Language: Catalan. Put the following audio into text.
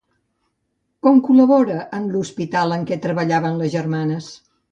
Com col·labora en l'hospital en què treballaven les germanes?